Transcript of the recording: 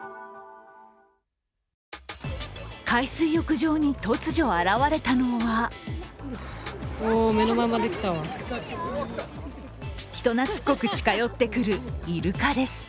海水浴場に突如現れたのは人なつっこく近寄ってくるイルカです。